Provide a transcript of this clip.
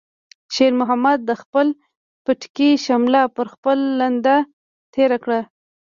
شېرمحمد د خپل پټکي شمله په خپله لنده تېره کړه.